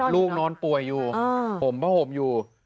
ลูกนอนป่วยอยู่ห่มผ้าห่มอยู่